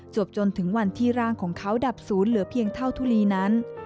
จนถึงวันที่ร่างของเขาดับศูนย์เหลือเพียงเท่าทุลีนั้น